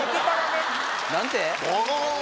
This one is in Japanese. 何て？